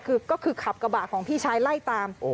คือก็คือขับกระบะของพี่ชายไล่ตาม